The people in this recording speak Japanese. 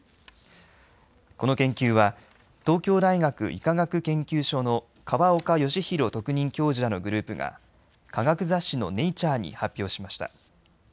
この研究は東京大学医科学研究所の河岡義裕特任教授らのグループが科学雑誌のネイチャーに発表しました。